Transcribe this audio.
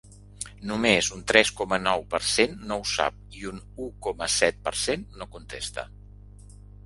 Només un tres coma nou per cent no ho sap i un u coma set per cent no contesta.